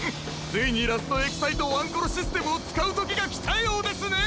ついにラストエキサイトワンコロシステムをつかうときがきたようですね！